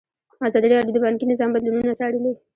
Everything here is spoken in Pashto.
ازادي راډیو د بانکي نظام بدلونونه څارلي.